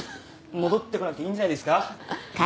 戻って来なくていいんじゃないですか。